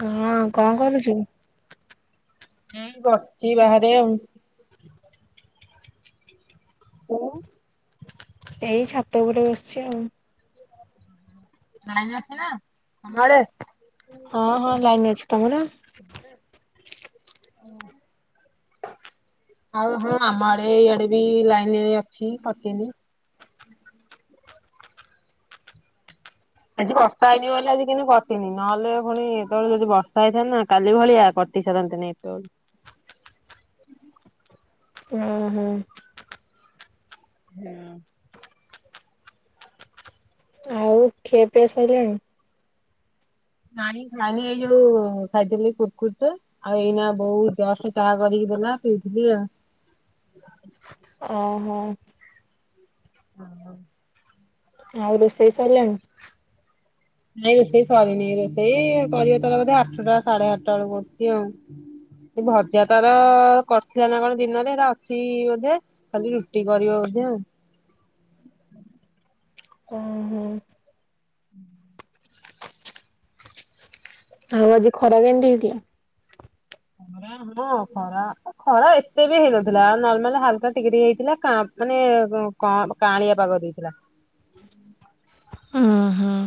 ହଁ କଣ କରୁଚୁ? ଏଇ ବସିଚି ବାହାରେ ଆଉ । [inaudible] ଏଇ ଛାତ ଉପରେ ବସିଚି ଆଉ । ଲାଇନ୍ ଅଛି ନା ତମ ଆଡ଼େ? ହଁ ହଁ ଲାଇନ୍ ଅଛି । ତମର? [inaudible] ଆଉ ହଁ ଆମ ଆଡେ ଇଆଡେ ବି ଲାଇନି ଅଛି କଟିନି । ଆଜି ବର୍ଷା ହେଇନି ବୋଲି ଆଜି କେମିତି କଟିନି ନହେଲେ ପୁଣି ଏତେବେଳେ ଯଦି ବର୍ଷା ହେଇଥାନ୍ତା କାଲି ଭଳିଆ ଟିସାରନ୍ତି। [inaudible] ଉଁ ହୁଁ । ହୁଁ। ଆଉ ଖିଆ ପିଆ ସରିଲାଣି? ନାଇଁ ଖାଇନି ଏଇ ଯୋଉ ଖାଇଥିଲି କୁର୍ କୁରି ଟେ ଆଉ ଏଇନା ବୋଉ ଜଷ୍ଟ ଚା କରିକି ଦେଲା ପିଉଥିଲି ଆଉ। [inaudible] [inaudible] ଆଉ ରୋଷେଇ ସଇଲାଣି? ନାଇଁ ରୋଷେଇ ସରିନି ରୋଷେଇ କରିବ ତାର ବୋଧେ ଆଠୁଟା ସାଡ଼େ ଆଟା ବେଳକୁ କି ଆଉ ଭଜା ତାର କରିଥିଲା ନା କଣ ଦିନରେ ଏରା ଅଛି ବୋଧେ ଖାଲି ରୁଟି କରିବ। ହୁଁ। [inaudible] ଓହୋ ଆଉ ଆଜି ଖରା କେମତି ହେଇଥିଲା? ଯାହା ହବ ଆଉ କଣ ଖରା ଏତେ ବି ହେଇନଥିଲା ନର୍ମାଲ ହାଲକା ଟିକେ ଟିକେ ହେଇଥିଲା କା ମାନେ କଁ କାଁଳିଆ ପାଗ ଦେଇଥିଲା । [inaudible] ହୁଁ।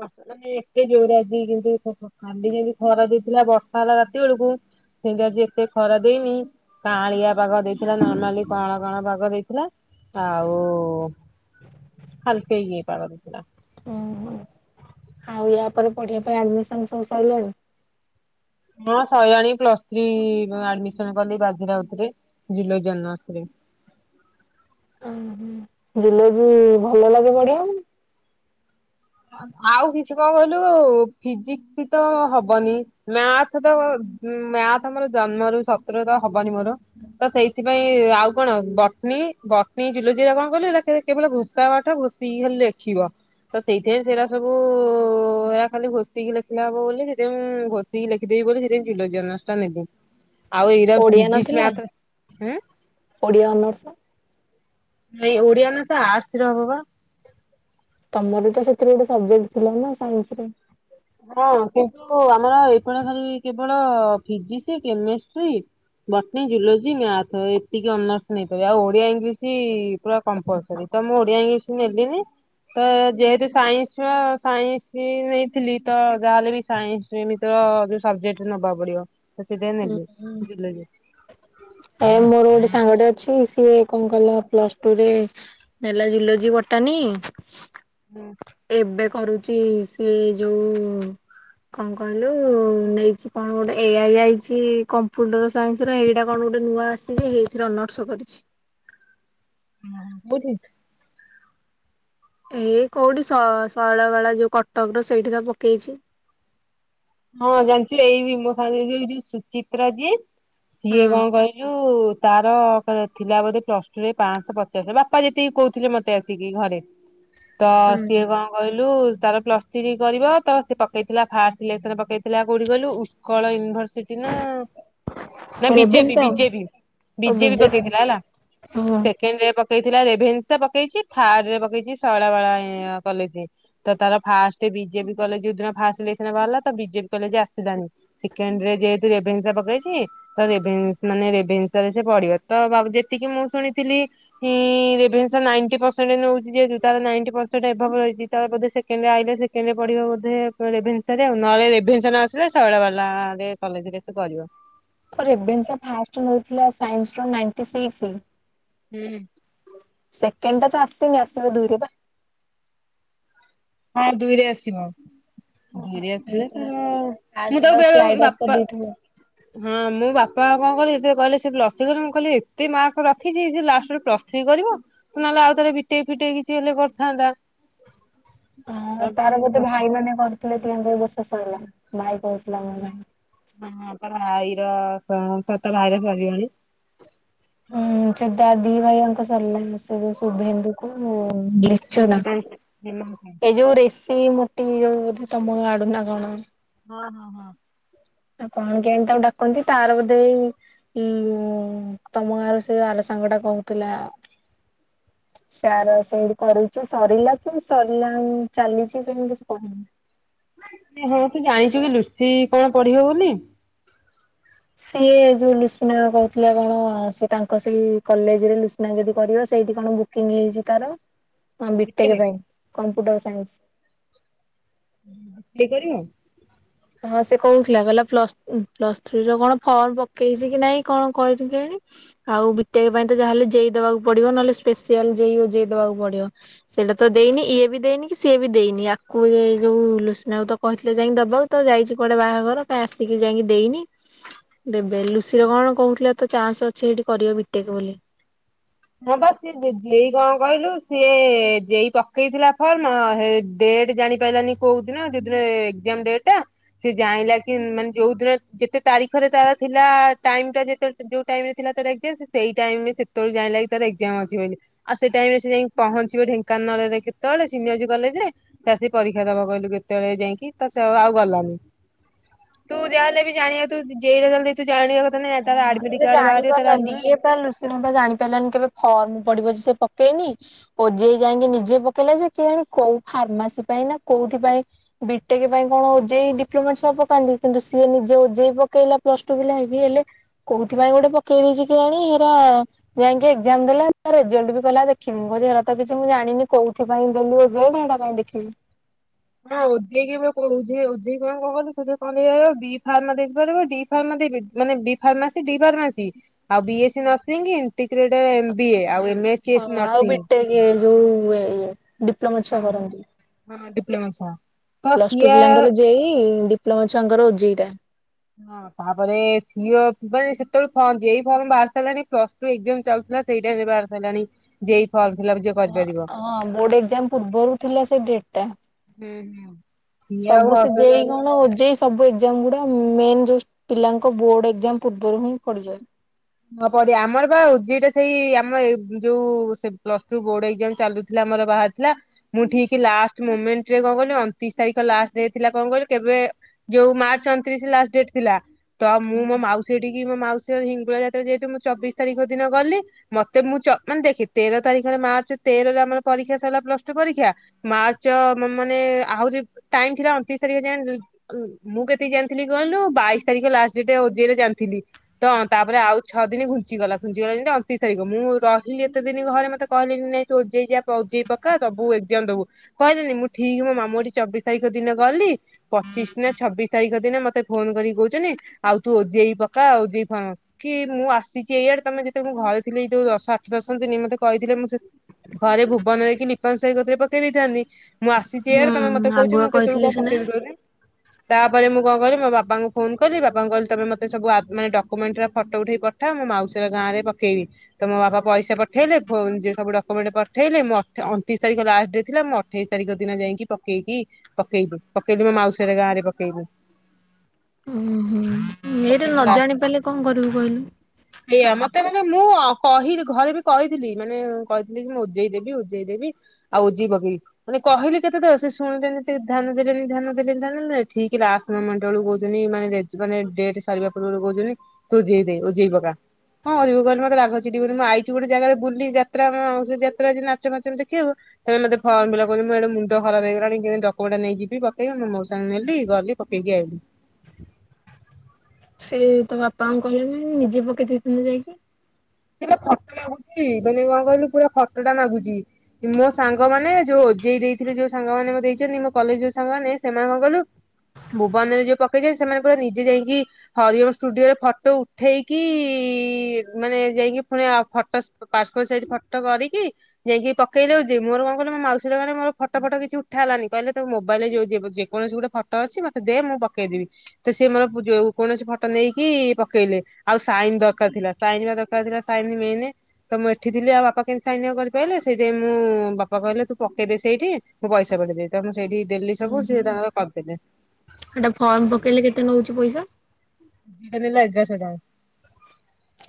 ବର୍ଷା ମାନେ ଏତେ ଯୋରେ ଆଜି କେମିତି [unintelligible] କାଲି ଯେମତି ଖରା ଦଉଥିଲା ବର୍ଷା ହେଲା ରାତି ବେଳକୁ କେତି ଆଜି ଏତେ ଖରା ଦେଇନି କାଁଳିଆ ପାଗ ଦେଇଥିଲା ନର୍ମାଲି କଁଳା କଁଳା ପାଗ ଦେଇଥିଲା । ଆଉ ହାଲକେଇକି ପାଗ ଦେଇଥିଲା । ଓହୋ ଆଉ ୟା ପରେ ପଢିବା ପାଇଁ ଆଡମିସନ ସବୁ ସଇଲାଣି? ମୋ ସଇଲାଣି ପ୍ଲସ ଥ୍ରୀ ଆଡମିସନ କଲି ବାଜି ରାଉତରେ ଜୁଲୋଜି ଅନ୍ନସରେ । ଉଁ ହୁଁ ଜୁଲୋଜି ଭଲ ଲାଗେ ପଢିବାପାଇଁ? ଆଉ କିଛି କଣ କହିଲୁ ଫିଜିକ୍ସିତ ହବନି ମ୍ୟାଥ ତ ଉଁ ମ୍ୟାଥ ମର ଜନ୍ମରୁ ଶତ୍ରୁ ତ ହବନି ମୋର ତ ସେଇଥିପାଇଁ ଆଉ କଣ ବ ନୀ ବଟ୍ନୀ, ଜୁଲୋଜି ଆ କଁ କଲୁ ଆ କେ କେବଳ ଘୋଷା ପାଠ ଘୋଷିକି ଲେଖିବ ତ ସେଇଥିଆଇଁ ସେରା ସବୁ ଆ ଖାଲି ଘୋଷିକି ଲେଖିଲା ହବ ବୋଲି ସେଥିଆଁଇ ମୁଁ ଘଷିକି ଲେଖିଦେବି ବୋଲି ଜୁଲୋଜି ଅର୍ନସ ଟା ନେଲି । ଆଉ ଏଇରା ଓଡିଆ ଫଜିକ୍ସ, ନଥିଲା ମ୍ୟାଥରେ ଉଁ ଓଡିଆ ଅନର୍ସ ନାଇ ଓଡିଆ ଅନର୍ସ ଆର୍ଟ୍ସ ରେ ହବ ପା। ତମର ବିତ ସେଥିରେ ସବଜେକ୍ଟ ଥିଲା ନା ସାଇନ୍ସ ରେ। ହଁ କିନ୍ତୁ ଆମର ଏପଟ ଖାଲି କେବଳ physics, chemistry botany, zoology, math ଏତିକି ଅନର୍ସ ନେଇ ପାରିବ ଆଉ ଓଡିଆ, ଇଂଲିଶ ପୁରା କମ୍ପଲସରି । ତ ମୁଁ ଓଡିଆ, ଇଂଲିଶ ନେଲିନି ତ ଯେହେତୁ ସାଇନ୍ସ ଛୁଆ ସାଇନ୍ସ ନେଇ ଥିଲି ତ ଯାହାହେଲେ ବି ସାଇନ୍ସ ମିତ ଯୋଉ ସବଜେକ୍ଟ ନବାକୁ ପଡିବ । ସେଥିପାଇଁ ହୁଁ ନେଲୁ ହୁଁ ଜୁଲୋଜି । ଏ ମୋର ଗୋଟେ ସାଙ୍ଗଟେ ଅଛି ସିଏ କଣ କଲା ପ୍ଲସ ଟୁରେ ନେଲା ଜୁଲୋଜି, ବଟ୍ ଟାନି ଏବେ କରୁଚ଼ି ସିଏ ଯୋଉ କଣ କହିଲୁ ନେଇଛି କଣ ଗୋଟେ ଏଆଇ ଆଇଛି କମ୍ପ୍ୟୁଟର ସାଇନ୍ସ ର ଏଇଟା କଣ ଗୋଟେ ଗୋଟେ ନୂଆ ଆସିଛି ଏଇଥିରେ ଅନର୍ସ କରିଛି। ହଁ କୋଉଠି? ଏଇ କୋଉଠି ଶୈଳ ବାଳା ଯୋଉ କଟକ ର ସେଇଠି ତ ପକେଇଛି। ହୋଉ ବଞ୍ଚି ଏଇ ନିମ୍ବ ଶାଳରେ ଯିଏ ଏଇଠି ସୁଚିତ୍ରା ଯିଏ ସିଏ ହୁଁ। କଣ କହିଲୁ ତାର ଥିଲା ବୋଧେ ପ୍ଲସ ଟୁ ରେ ପାଞ୍ଚଶହ ପଚାଶ ବାପା ଯେତିକି କହୁଥିଲେ ମତେ ଆସିକି ଘରେ। ତ ସିଏ କଣ କହିଲୁ ତାର ପ୍ଲସ ଥ୍ରୀ କରିବ ତ ସି ପକେଇଥିଲା ଫାଷ୍ଟ ସିଲେ ଥିଲା କୋଉଠି କହିଲୁ ଉତ୍କଳ ୟୁନିଭରସିଟି ନା ନା ହୁଁ ବିଜେପି ରେଭେନ୍ସା ବିଜେପି ବିଜେପି ପକେଇଥିଲା ହେଲା ହଁ। ସେକେଣ୍ଡ ରେ ପକେଇଥିଲା ରେଭେନ୍ସ ପକେଇଛି ଥାର୍ଡ ରେ ପକେଇଛି ଶୈଳା ବଳା କଲଜ ତାର ଫାଷ୍ଟ ବିଜେପି କଲେ ଯୋଉ ଦିନ ଫାଷ୍ଟ ସିଲେସ୍କନ ଭାହାରିଲା। ତ ବିଜେପି କଲେ ଯେ ଆସିଲାନି ସେକେଣ୍ଡ ରେ ଯେହେତୁ ରେଭେନ୍ସା ପକେଇଚି ତ ରେଭେନ୍ସ ମାନେ ରେଭେନ୍ସ ଭିତରେ ସେ ପଢିବ ତ ଯେତିକି ମୁଁ ଶୁଣିଥିଲି ଇଁ ରେଭେନ୍ସା ନାଇଟୀ ପର୍ ସେଣ୍ଟ ନଉଛି ଯେ ତିନ ତାର ନାଇଣ୍ଟି ପରସେଣ୍ଟ ଏଭବ ଯାଇଛି ତ ଯଦି ସେକେଣ୍ଡ ରେ ଅଇଲା ସେକେଣ୍ଡ ରେ ପଢିବ ରେଭେନ୍ସା ରେ ଆଉ ନହେଲେ ରେଭେନ୍ସା ନ ଆସିଲେ ଆସିଲେ ଶୈଳବାଳା କଲେଜରେ କରିବ। ରେଭେନ୍ସା ଫାର୍ଷ୍ଟ ନେଉଥିଲା ସାଇନ୍ସ ର ନାଇଟୀ ସିକ୍ସ। ହୁଁ। କେଣ୍ଟା ତ ଆସନି ଆସିବ ଦୁଇ ରେ ବା। ହଁ ଦୁଇରେ ଆସିବ। ଧରି ଆସିଲେ ହେଇଥିଲା। ତାର ମୁଁ ଫାଷ୍ଟ ତ ଆଉ ଟା ବେଳେ ସ୍ଲାଇଡ ଅଫ୍ ବାପା କରିଦେଇଥିଲେ। ହଁ ମୁଁ ବା କଣ କଣ କରିବେ ସେ କହିଲେ ସେ ପ୍ଲସ୍ ଥ୍ରୀ କରିମି। ମୁଁ କହିଲି ଏତେ ମାର୍କ ରଖିଚି ସିଏ ଲାଷ୍ଟରେ ପ୍ଲସ୍ ଥ୍ରୀ କରିବ। ତୁ ନହେଲେ ତ ଆଉଥରେ ବିଟେକ୍ ଫିଟେକ କିଛି ହେଲେ କରଥାନ୍ତା। ହ ଓ ହୋ ତାର ବୋଧେ ଭାଇ ମାନେ କରୁଥୁଲେ ତ ଏମ୍ ବି ଏ ଏଇ ବର୍ଷ ସାରିଲା। ଭାଇ କହୁଥିଲା ମୋ ଭାଇ। ହଁ, ହଁ ତୋର ଭାଇର ସ ସତ ଭାଇର ସରିି [unintelligible] ହୁଁ, ସେ ଦା ଦି ଭାଇ ଆଙ୍କ ସରିଲା ଶୁ-ଶୁଭେନ୍ଦୁ କୁ ମୋ ଦେଖଚୁନା ହଁ ଏ ଯୋଉ ରେସ୍ ସେଇ ମୋଟି ଯୋଉ ବୋଧେ ତୋମ ଗାଁ ଆଡୁ ନା କଣ? ହଁ, ହଁ, ହଁ। ଆଉ କଣ କେଇଆଣି ତାକୁ ଡାକନ୍ତି ତାର ବୋଧେ ଏଇ ଉଁ, ତୋମ ଗାଁ ର ସେ ଆଲୋସ୍ ସାଙ୍ଗ ଟା କହୁଥିଲା। ସାର ସେମିତି କରୁଚି ସରିଲା କି ସରିଲା ଚାଲିଛି ସେମିତି କିଛି କହିନି। ନା। ହଁ ତୁ ଜାଣିଚୁ କି ଲୁସି କଣ ପଢିବ ବୋଲି? ସିଏ ଯୋଉ ଲୁସିନା କହୁଥିଲା କଣ ସେ ତାଙ୍କ ସେଇ କଲେଜ୍ ରେ ଲୁସିନା ଯଦି କରିବ ସେଇଠି କଣ ବୁକିଂ ହେଇଛି ତାର। ହଁ ବିଟେକ୍ ପାଇଁ କମ୍ପୁଟର୍ ସାଇନ୍ସ। ଉଁ, ହୁଁ, [inaudible] କରିବ ହଁ ସେ କହୁଥିଲା କହିଲା ପ୍ଲସ୍ ଉଁ, ପ୍ଲସ୍ ଥ୍ରୀ ର କଣ ଫର୍ମ ପକେଇଚି କି ନାଇଁ କଣ କହିିଥି କେଆଣି। ଆଉ ବିଟେକ୍ ପାଇଁ ତ ଯାହା ହେଲେ ଜେଇ ଦେବାକୁ ପଡିବ ନହଲେ ସ୍ପେସିଆଲ ଜେୟୁ ଜେ ଦବାକୁ ପଡିବ। ସେଇଟା ତ ଦେଇନି ଇଏ ବି ଦେଇନି କି ସିଏ ବି ଦେଇନି। ଆକୁ ଏଇ ଯୋଉ ଲୁସୁନା କୁ ତ କହିଥିଲେ ଯାଇକି ଦବ ତ ଯାଇଛି କୁଆଡେ ବାହାଘର ଟା ଆସିକି ଯାଇକି ଦେଇନି। ଦେବେ ଲୁସିିର କଣ କହୁଥିଲା ତ ଚାନ୍ସ ଅଛି ସେଇଠି କରିବ ବିଟେକ୍ ବୋଲି। ହଁ ବା ସିଏ ଜେ ଜେଇ କଣ କହିଲୁ ସିଏ ଜେଇ ପକେଇଥିଲା ଫର୍ମ ଆ, ହେଇ ଦେ ଡେଟ୍ ଜାଣି ପାରିଲାନି କୋଉ ଦିନ ଯୋଉଦିନ ଏକ୍ଜାମ ଡେଟ୍ ଟା ସେ ଜାଣିଲା କି ମାନେ ଯୋଉ ଦିନ ଜେ ସେ ତାରିଖରେ ତାର ଥିଲା ଟାଇମ୍ ଟା ଯେତେଳେ ସେ ଯୋଉ ଟାଇମ୍ ରେ ଥିଲା ତାର ଏକ୍ଜାମ ସେ ସେଇ ଟାଇମ୍ ରେ ସେତେଳୁ ଜାଣିଲା। ତାର ଏକ୍ଜାମ ଅଛି ବୋଲି ଆଉ ସେ ଟାଇମ୍ ରେ ସେ ଯାଇ ପହଞ୍ଚିବ ଢେଙ୍କାନାଳରେ କେତେବେଳେ ସିନିଅଜୁ କଲେଜ୍ ରେ ତ ସେ ପରୀକ୍ଷା ଦବ କହିଲୁ କେତେବେଳେ ଯାଇକି ତ ସେ ଅ, ଆଉ ଗଲାନି। ତୁ ଯା ହେଲେ ବି ଜାଣିବ ତୁ ଜେଇ [unintelligible] ତୁ ଜାଣିବା କଥା ନା ଆ ହଁ ଏଇଟା ଜାଣି ପାରୁନାହାନ୍ତି। ଇଏ ପା ଲୁସିନା ପା ଜାଣିପାରିଲାନି କେବେ ଫର୍ମ ପଡିବ ସେ ପକେଇନି। ଓଜେଇ ଯାଇକି ନିଜେ ପକେଇଲା ଯେ କିଆଣ କୋଉ ଫାର୍ମାସି ପା ପାଇଁ ନା କୋଉଥି ପାଇଁ ବିଟେକ୍ ପାଇଁ କଣ ଓଜେଇ ଡିପ୍ଲୋମା ଛୁଆ ପକାନ୍ତି। କିନ୍ତୁ ସିଏ ନିଜେ ଓଜେଇ ପକା କେଇଲା ପ୍ଲସ୍ ଟୁ ପିଲା ହେଇ। ଇ ହେଲେ କୋଉଥିପାଇଁ ଗୋଟେ ପକେଇ ଦେଇଛି କିଆଣି ହେରା ଯାଇକି ଏକ୍ଜାମ୍ ଦେଲା ରେଜଲ୍ଟ ବି କହିଲା ଦେଖି ବୁ [unintelligible] ସେଇରା ତ କିଛି ମୁଁ ଜାଣିନି କୋଉଥିପାଇଁ ଦେଲୁ ଓଜେଡ ହେଟା କାଇଁ ଦେଖିବି। ହଁ ଓଜେ କି ବା କହୁଚି ଏ ଓଜେଇ କଣ କହନି ତୁ ଯେ କହନ୍ତି [unintelligible] ବିଫାରମା ଦେଇ ପାରିବ। ଡି ଫାରମା ଦେବେ ମାନେ ବି ଫାର୍ମାସି, ଡି ଫାର୍ମାସି ଆଉ ବିଏସି ନସିଂ ଟିକରେଟ୍ ଏମବିଏ ଆଉ ଏମେସ୍କି ହଁ ଆଉ ନର୍ସିଂ। ବିଟେକ୍ ଯୋଉ ଉଏ, ଉଏ ଡିପ୍ଲୋମା ଛୁଆ କରନ୍ତି। ନମସା ପ୍ଲସ୍ ଟୁ ପିଲାଙ୍କର ଜେଇ। ଡିପ୍ଲୋମା ଛୁଆଙ୍କର ଓଜେଇ ଟା। ହଁ ତାପରେ ଏ ସିଓ ପାଇଁ ସେତେବେଳେ [unintelligible] ଏଇ ଫର୍ମ ବାହାରି ସାରିଲାଣି ପ୍ଲସ୍ ଟୁ ଏକ୍ଜାମ ଚାଲ ଥିଲା ସେଇଟା ଏବେ ବାହାରି ସାରିଲାଣି। ଜେଇ ଫର୍ମ ଫିଲପ ଯିଏ ହଁ, କରିପାରିବ। ହଁ ବୋର୍ଡ ଏକ୍ଜାମ ପୂର୍ବରୁ ଥିଲା ସେ ଡଟ୍ ଟା। ହୁଁ ହୁଁ ସିଏ ଆଉ ସବୁ ସେ ଜେଇ ହଷ୍ଟେଲ କଣ ଓଜେଇ ସବୁ ଏକ ଜାମ ଗୁଡା ମେନ୍ଯୋଉ ପିଲାଙ୍କ ବୋର୍ଡ ଏକ୍ଜାମ ପୂର୍ବରୁ ହିଁ ପଡିଯାଏ। ହଁ ପଡେ। ଆମର ବା ଓଜେଇ ଟା ସେଇ ଆମ ଏ ଯୋଉ ସେ ପ୍ଲସ୍ ଟୁ ବୋର୍ଡ ଏକ୍ଜାମ ଚାଲୁଥିଲା ଆମର ବାହାରି ଥିଲା। ମୁଁ ଠିକ ଲାଷ୍ଟ ମୁମେଣ୍ଟ ରେ କଣ କହିଲୁ ଅଣତିରିଶ ତାରିଖ ଲାଷ୍ଟ ଡେ ଥିଲା କଣ କହିଲୁ କେବେ ଯୋଉ ମାର୍ଚ୍ଚ ଅଣତିରିଶ ଲାଷଟ ଡେଟ ଥିଲା। ତ ମୁଁ ମୋ ମାଉସୀ ହେଟିକି ମୋ ମାଉସୀ ହିଙ୍ଗଳା ଯା ଯେହେତୁ ମୁଁ ଚବିଶ ତାରିଖ ଦିନ ଗଲି। ମତେ ମୁଁ ଚ ମାନେ ଦେଖେ ତେର ତାରିଖରେ ମାର୍ଚ୍ଚ ତେରରେ ଆମର ପ ପରିକ୍ଷା ସରିଲା ପ୍ଲସ ଟୁ ପରୀକ୍ଷା। ମାର୍ଚ୍ଚ ମାନେ ଆହୁରି ଟାଇମ ଥିଲା ଅଣତିରିଶ ତାରିଖ ଯାଏ। ମୁଁ କେତିକି ଜାଣିଥିଲି କହିଲୁ ବାଇଶି ତାରିଖ ଲାଷ୍ଟ ଡେଟ ଓଜେରେ ଜାଣିଥିଲି। ତ ତାପରେ ଆଉ ଛଅ ଦିନ ଘୁଞ୍ଚିଗଲା ଘୁଞ୍ଚିଗଲା ଯେମିତି ଅଣତିରିଶ ତାରିଖ। ମୁଁ ରହିଲି ଏତେ ଦିନ ଘରେ ମତେ କହିଲେ କି ନାଇଁ ତୁ ଓଜେଇ ଯା ପ ପକା ସବୁ ଏକଜାମ ଦବୁ କହିଲେନି। ମୁଁ ଠିକ ମୋ ମାମୁଁ ଠିକ ଚବିଶ ତାରିଖ ଦିନ ଗଲି। ପଚିଶ ନା ଛବିଶ ତାରିଖ ଦିନ ମତେ ଫୋନ କରିକ କହୁଛନ୍ତିି। ଆଉ ତୁ ଓଜେଇ ପକା ଓଜେଇ ଫର୍ମ। କି ମୁଁ ଆସିଛି ଏଇଆଡେ ତମେ ଯେତବେଳେଁ ଘରେ ଥିଲି। ଯୋଉ ଦଶ ଆଠ ଦଶ ଦିନ ମତେ କହିଥିଲେ। ମୁଁ ସେ ଘରେ ଭୁବନ ହେଇକି ନିପାନ ସାହି କତରେି ପକେଇ ଦେଇଥାନ୍ତି। ମୁଁ ଆସିଚି ଏଇଆଡେ ତମେ ମତେ ହୁଁ କହୁଛ। ଆଗୁଆ ମୁଁ କେତେବେଳକୁ କହିଥିଲେ କଣ ସିନା। ପକେଇବି କହିଲୁ। ତାପରେ ମୁଁ କଣ କହିଲିି। ମୋ ବାପାଙ୍କୁ ଫୋନ କଲି ବାପା ଙ୍କୁ କହିଲି। ତମେ ମତେ ସବୁ ଆ ଡକ୍ୟୁମେଣ୍ଟରା ଫଟୋ ଉଠେଇ କି ପଠା। ମୁଁ ମାଉସୀର ଗାଁରେ ପକେଇବି। ତ ମୋ ବାପ ପଇସା ପଠେଇଲେ। ନିଜେ ସବୁ ଡକ୍ୟୁମେଣ୍ଟ ପଠେଇଲେ ମୁଁ ଅଣତିଶ ତାରିଖ ଲାଷ୍ଟ ଡେ ଥିଲା। ମୁଁ ଅଠେଇଶି ତାରିଖ ଦିନ ଯାଇକି ପକେଇକି ପକେଇଲି। ପକେଇଲି ବୋ ମାଉସୀ ହର ଗାଁରେ ପକେଇଲି। ଉଁ ହୁଁ ଏଇରା ପକେଇଲି ନ ଜାଣି ଲାଷ୍ଟ ପାରିଲେ କଣ କରିବୁ କହିଲୁ। [inaudible] କହିଲି ଘରେ ବି କହିଥିଲି ମାନେ କହିଥିଲି। କି ମୁଁ ଉଜେଇ ଦେବି ଉଜେଇ ଦେବି ଆଉ ଉଜେଇ ପକେଇବି। ମାନେ କହିଲି କେତେ ଥର ସେ ଶୁଣିଲେନି ଟିକେ ଧ୍ୟାନ ଦେଲେନି ଧ୍ୟାନ ଦେଲେନି ଧ୍ୟାନ ଦେଲେନି। ଠିକ ଲାଷଟ ମୋମେନଟ କୁ କହୁଛନ୍ତି। ମାନେ ରେଜ ମାନେ ଡେଟ ସର ପୂର୍ବରୁ କହୁଚନ୍ତି। ତୁ ଉଜେଇ ଦେ ଉଜେଇ ପକା। [unintelligible] କହିଲୁ ମତେ ରାଗଚିଡିବନି। ମୁଁ ଆଇଚି ଗୋଟେ ଜାଗାରେ ବୁଲି ଯାତ୍ରା ମୋ ସେ ଯାତ୍ରା ରେ ନାଚ ମାଚ ଦେଖିବାକୁ। ସେ କହିଲେ ତୋ ଫର୍ମ ଫିଲବ କରିବୁ ମୁଁ ଏଣେ ମୁନଡ ଖରାପ ହେଇଗଲାଣି। କେମିତି ଡକୋମେଣ୍ଟ ଟା ନେଇକି ଯିବି ପକେଇବି। ମୁଁ ମୋଉସାଙ୍କୁ ନେଲି ଗଲି। ଟିବିଆଇ। ସେ ତ ବାପାଙ୍କୁ କହିଲୁନି ନିଜେ ପକେଇ ଦେଇଥାନ୍ତେ ଯାଇକି। ସେଟା ଫଟୋ ମାଗୁଚି ମାନେ କଣ କହିଲୁ ପୁରା ଫଟୋ ଟା ମାଗୁଚି। ମୋ ସାଙ୍ଗମାନେ ଯୋଉ ଓଜେଇ ଦେଇଥିଲେ। ଯୋଉ ସାଙ୍ଗ ମାନେ ମୋ ଦେଇଛନ୍ତି। ମୋ କଲେଜ ଯୋଉ ସାଙ୍ଗମାନେ ସେମାନେ କଣ କହିଲୁ ଭୁବନରେ ଯିଏ ପକେଇଚନତି। ସେମାନେ ପୁରା ନିଜେ ଯାଇକି ହରିଓମ ଷ୍ଟୁଡିଓରେ ଫଟୋ ଉଠେଇକି କି ମାନେ ଯାଇକି ପୁଣି ଆଉ ଫଟୋ ପାସପୋର୍ଟ ସାଇଜ ଫଟୋ କରିକି ଯାଇକି ପକେଇ ଦଉଚି। ମୋର କଣ କହିଲୁ ମୋ ମାଉସୀହର ଣି ମୋର ଫଟୋ ଫଟୋ କିଛି ଉଠାହେଲାନି। କହିଲେ ତୋ ମୋବାଇଲ ରେ ଯଉ ଯେକୌଣସି ଗୋଟେ ଫଟ ଅଛି ମତେ ଦେ ମୁଁ ପକେଇଦେବି। ତ ସିଏ ମୋର କୌଣସି ଫଟୋ ନେଇକି ପକେଇଲେ। ଆଉ ସାଇନ ଦରକାର ଥିଲା। ସାଇନ ବା ଦର ତ ଆଉ ଦିଟା ସାଇନ୍ ବି ହେଇନି। ତ ମୁଁ ଏଠି ଥିଲି ଆଉ ବାପା କେମିତି ସାଇନ ଆଉ କରିପାଇଲେ ।ସେଇତି ପାଇଁ ମୁଁ ବାପା କହିଲେ ତୁ ପ ପକେଇଦେ ସେଇଠି ମୁ ପଇସା ପକେଇ ଦେବି ତ ମୁଁ ସେଇଠି ଦେଲି ଉଁ ସବୁ ହୁଁ ସିଏ ତାଙ୍କର କରିଦେଲେ। ହେଟା ଫର୍ମ ପକେଇଲେ କେତେ ନଉଛି ପଇସା? ଦିଟା ନେଲା ଏଗାରଶହ ଟଙ୍କା ।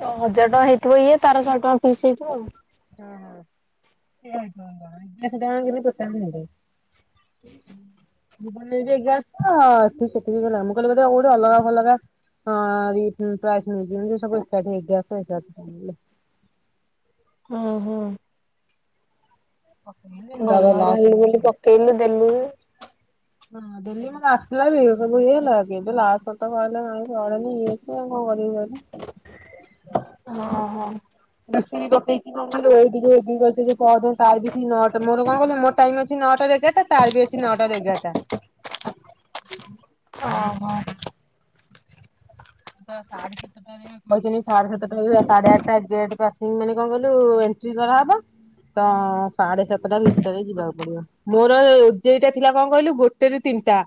ହଜାର ଟଙ୍କା ହେଇଥିବ ଇଏ, ତାର ଶହେ ଟଙ୍କା ଫିସ୍ ହେଇଥିବ ଆଉ। ହଁ ହଁ ସେଇଆ ହେଉଥିବ କି କଣ? ଏଗାରଶହ ଟଙ୍କା ବୋଧେ ଟୋଟାଲି ନେଲେ। [inaudible] ଜୀବନ ନେଇଚି ଏଗାର ଶହ ସେ ସେଠିକି ଗଲା। ମୁଁ କହିଲି କୋଉଠି ଅଲଗା ଫଲଗା ହଁ [unintelligible] ଓ ହୋ। ହଁ ଭଲ ଗଲୁ ବୋଲି ପକେଇଲୁ ଦେଲୁ। ହଁ ଦିଲ୍ଲୀ ମାନେ ଆସିଲା [unintelligible] ଇଏ ସିଏ। କରିବି କହିଲୁ। ଓହୋ। [unintelligible] ନଅ ଟା ମୋର କଣ କହିଲୁ ମୋର ଟାଇମ୍ ଅଛି। ନଅଟାରୁ ଏଗାରଟା ତାର ବି ଅଛି ନଅଟାରୁ ଏଗାରଟା। ଓ ହୋ। ସାତଟା ସାଢେ ସାତଟା ରେ କହି ସାଢେ ସାତଟା ସାଢେ ଆଠଟା ଗେଟ୍ ପାସ୍ ପାଇଁ ମାନେ କଣ କହିଲୁ ଏ ଣ୍ଟ୍ରି କରାହବ। ତ ସାଢେ ସାତଟା ଭିତରେ ଯିବାକୁ ପଡିବ। ମୋର ଜେଇଟା ଥିଲା କଣ କହିଲୁ ଗୋଟେରୁ ତି ତିନିଟା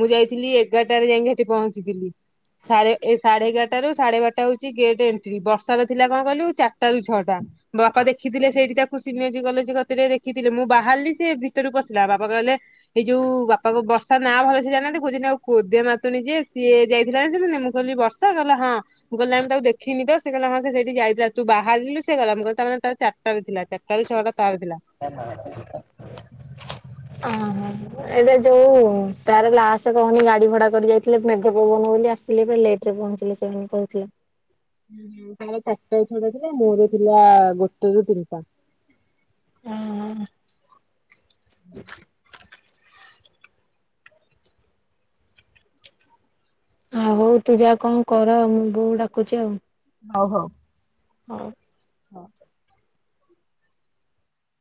ମୁଁ ଯାଇଥିଲି ଏଗାରଟାରେ ଯାଇଁକି ସେଠି ପହଞ୍ଚିଥିଲି ।ସାଢେ ଏ ସାଢେ ଏଗାରଟାରୁ ସାଢେ ବାରଟା ହଉଛି ଗେଟ୍ ଏଣ୍ଟ୍ରି, ବର୍ଷାରେ ଥିଲା କଣ କହିଲୁ ଚାରିଟାରୁ ଛଅଟା ମୋ ବାପା ଦେଖିଥିଲେ ସେଇଠି ତାକୁ ସିନିୟର୍ଜି କଲେଜ୍ କତିରେ ଦେଖିଥିଲେ, ମୁଁ ବାହାରିଲି ସେ ଭିତରୁ ପଶିଲା ବାପା କହିଲେ କେ ଯୋଉ ବାପାକୁ ବର୍ଷା ନାଁ ଭଲସେ ଜାଣିନାହାନ୍ତି, କହୁଛନ୍ତି ଆଉ କୋଦିଆ ନାତୁଣୀ ଯିଏ ସିଏ ଯାଇଥିଲା ଜାଣିଛନ୍ତି ନା ନାହିଁ ମୁଁ ମୁଁ କହିଲି ବର୍ଷା କହିଲେ ହଁ, ମୁଁ କହିଲି ନାଇଁ ମୁଁ ତାକୁ ଦେଖିନି ତ, ସେ କହିଲେ ହଁ ସେଠି ଯାଇଥିଲା ତୁ ବାହାରିଲୁ ସେ ଗଲା ମୁଁ କହିଲି ତମେ ତାର ଚାରିଟାରେ ଥିଲା ଚାରିଟାରୁ ଛଅଟା [inaudible] ହଁ-ହଁ। ଏଟା ଯୋଉ-ଉ-ଉ ତାର ଲାଷ୍ କହନି ଗାଡି ଭଡା କରି ଯାଇଥିଲେ, ମେଘ ପବନ ବୋଲି ଆସିଲେ ଯେ ଲେ ସେଠି ପହଞ୍ଚିଲେ ସେ ମାନେ କହୁଥିଲା। ଉଁ-ଉଁ-ଉଁ ତାର ଚାରଟାରୁ ଛଅଟା ଥିଲା ମୋର ଥିଲା ଗୋଟେରୁ ତିନିଟା। ହ [inaudible] ଆଉ ତୁ ଯାଆ କଣ କର ମୋ ବୋଉ ଡାକୁଛି ଆଉ। ହଉ ହଉ। ହଉ। ହଁ।